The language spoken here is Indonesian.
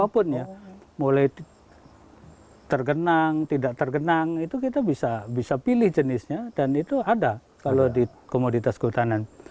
apapun ya mulai tergenang tidak tergenang itu kita bisa pilih jenisnya dan itu ada kalau di komoditas kehutanan